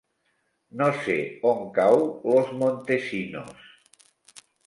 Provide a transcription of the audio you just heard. No sé on cau Los Montesinos.